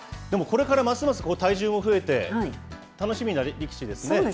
でもこれからますます体重も増えて、楽しみな力士ですね。